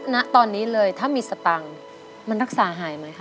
ณตอนนี้เลยถ้ามีสตังค์มันรักษาหายไหมคะ